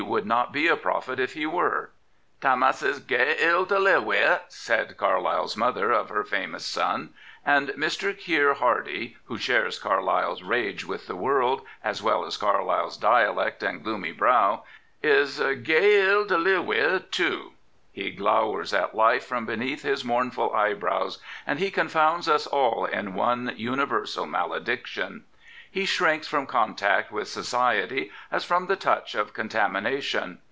would not be a prophet if he were,„ Tammas is gey 81 Prophets, Priests, and Kings ill to live wi','" said Carlyle's mother of her famous son ; and Mr. Keir Hardie, who shares Carlyle's rage with the world as well as Carlyle's dialect and gloomy brow, is " gey ill to live wi*," too. He glowers at life from beneath his mournful eyebrows, and he confounds us all in one universal mal^iction. He shrinks from contact with Society as from the touch of contamination.